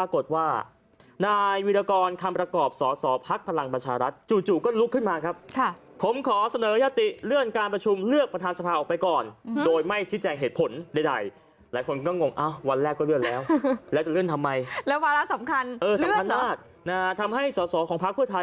ค่ะในวิรากรคำประกอบสอสอภักษณ์พลักษณ์ประชารัฐจู่ก็ลุกขึ้นมาครับค่ะผมขอเสนอยธิเลื่อนการประชุมเลือกประธานสภาออกไปก่อนโดยไม่ชิดแจงเหตุผลใดหลายคนก็งงอ้าววันแรกก็เลื่อนแล้วแล้วจะเลื่อนทำไมแล้ววันราคมสำคัญเออสำคัญน่าน่าทำให้สอสอของภัก